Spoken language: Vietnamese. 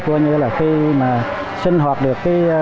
khi mà sinh hoạt được